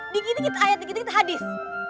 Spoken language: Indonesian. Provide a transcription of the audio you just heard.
dikit dikit ayat dikit dikit habis